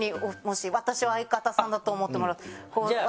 私を相方さんだと思ってもらって。